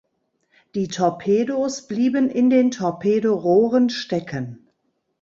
Die Torpedos blieben in den Torpedorohren stecken.